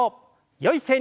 よい姿勢に。